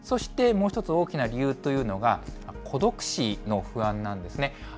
そして、もう一つ、大きな理由というのが、孤独死の不安なんですね。